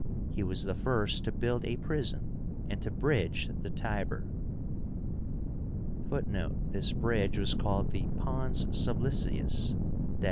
He was the first to build a prison, and to bridge the Tiber. (Footnote: This bridge was called the pons sublicius i.